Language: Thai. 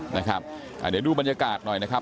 เดี๋ยวดูบรรยากาศหน่อยนะครับ